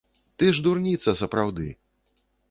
Ты ж дурніца, сапраўды.